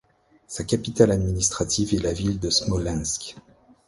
Sa capitale administrative est la ville de Smolensk.